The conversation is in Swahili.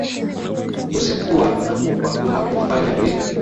Usikuwa na pupa unapofanya vitu